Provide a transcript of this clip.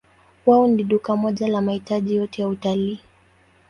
Wao ni duka moja la mahitaji yote ya utalii.